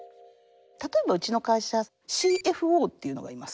例えばうちの会社ＣＦＯっていうのがいます。